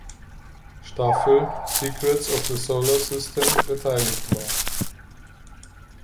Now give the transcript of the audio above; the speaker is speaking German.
Staffel ("Secrets of the Solar System") beteiligt war.